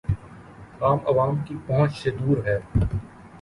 عام عوام کی پہنچ سے دور ہے